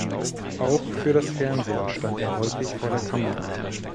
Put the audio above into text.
Auch für das Fernsehen stand er häufig vor der Kamera.